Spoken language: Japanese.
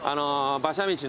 馬車道の。